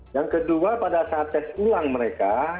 yang kedua pada saat tes ulang mereka